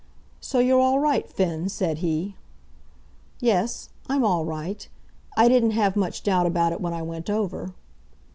"So you're all right, Finn," said he. "Yes; I'm all right, I didn't have much doubt about it when I went over."